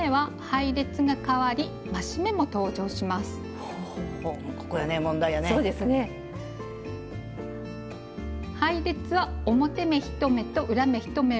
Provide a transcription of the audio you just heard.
配列は表目１目と裏目